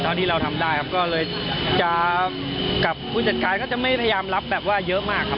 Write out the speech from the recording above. เท่าที่เราทำได้ครับก็เลยจะกับผู้จัดการก็จะไม่พยายามรับแบบว่าเยอะมากครับ